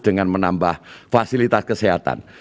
dengan menambah fasilitas kesehatan